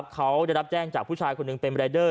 เขาได้รับแจ้งจากผู้ชายคนหนึ่งเป็นรายเดอร์